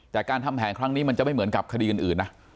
แต่การทำแผนครั้งนี้มันจะไม่เหมือนกับคดีอื่นนะ